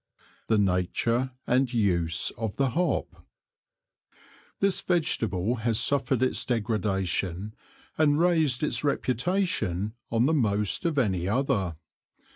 X. The Nature and Use of the Hop. This Vegetable has suffered its degradation, and raised its Reputation on the most of any other.